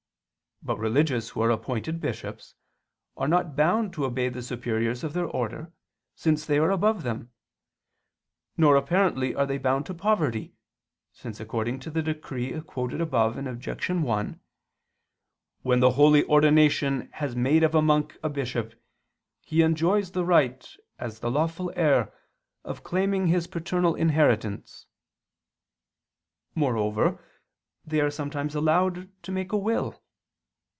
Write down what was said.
But religious who are appointed bishops, are not bound to obey the superiors of their order, since they are above them; nor apparently are they bound to poverty, since according to the decree quoted above (Obj. 1) "when the holy ordination has made of a monk a bishop he enjoys the right, as the lawful heir, of claiming his paternal inheritance." Moreover they are sometimes allowed to make a will.